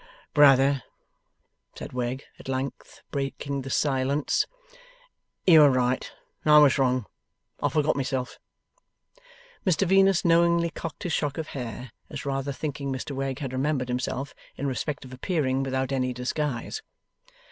'Brother,' said Wegg, at length breaking the silence, 'you were right, and I was wrong. I forgot myself.' Mr Venus knowingly cocked his shock of hair, as rather thinking Mr Wegg had remembered himself, in respect of appearing without any disguise.